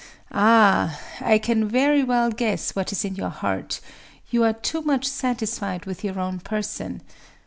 Ah! I can very well guess what is in your heart: you are too much satisfied with your own person.